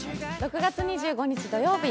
６６月２５日土曜日